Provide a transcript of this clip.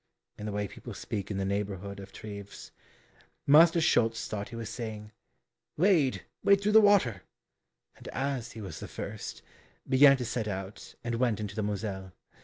in the way people speak in the neighborhood of Treves. Master Schulz thought he was saying, "Wade, wade through the water," and as he was the first, began to set out and went into the moselle.